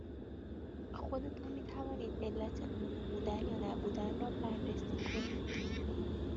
خودتان میتوانید علت عمومی بودن یا نبودن را بررسی کنید